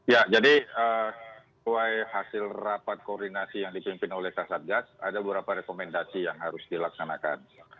ya jadi sesuai hasil rapat koordinasi yang dipimpin oleh kasatgas ada beberapa rekomendasi yang harus dilaksanakan